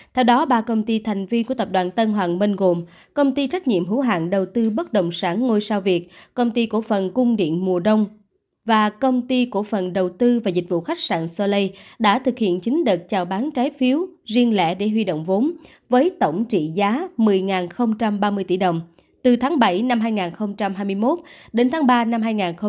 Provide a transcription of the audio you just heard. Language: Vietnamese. theo đó ba công ty thành viên của tập đoàn tân hoàng minh gồm công ty trách nhiệm hữu hạng đầu tư bất động sản ngôi sao việt công ty cổ phần cung điện mùa đông và công ty cổ phần đầu tư và dịch vụ khách sạn soley đã thực hiện chính đợt chào bán trái phiếu riêng lẽ để huy động vốn với tổng trị giá một mươi ba mươi tỷ đồng từ tháng bảy năm hai nghìn hai mươi một đến tháng ba năm hai nghìn hai mươi hai